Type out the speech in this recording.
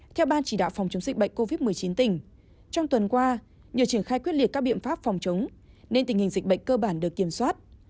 theo ban chỉ đạo phòng chống dịch bệnh covid một mươi chín tỉnh trong tuần qua nhờ triển khai quyết liệt các biện pháp phòng chống nên tình hình dịch bệnh cơ bản được kiểm soát